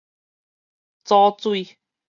藻水